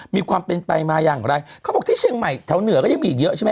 มีความเป็นไปมาอย่างไรเขาบอกที่เชียงใหม่แถวเหนือก็ยังมีอีกเยอะใช่ไหม